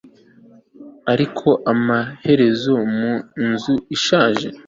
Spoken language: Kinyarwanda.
ariko amaherezo mu nzu ishaje